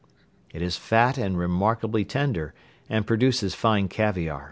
It is fat and remarkably tender and produces fine caviar.